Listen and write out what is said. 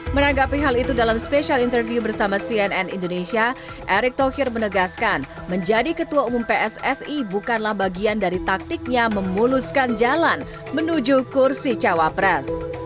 menanggapi hal itu dalam spesial interview bersama cnn indonesia erick thohir menegaskan menjadi ketua umum pssi bukanlah bagian dari taktiknya memuluskan jalan menuju kursi cawapres